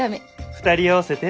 ２人合わせて。